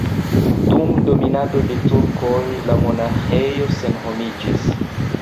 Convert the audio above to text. Dum dominado de turkoj la monaĥejo senhomiĝis.